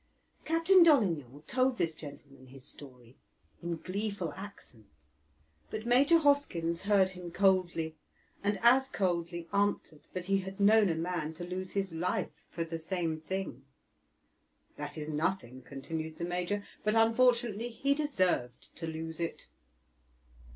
Captain Dolignan told this gentleman his story in gleeful accents; but Major Hoskyns heard him coldly, and as coldly answered that he had known a man to lose his life for the same thing. "That is nothing," continued the major, "but unfortunately he deserved to lose it."